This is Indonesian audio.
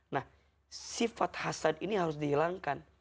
nah sifat hasad ini harus dihilangkan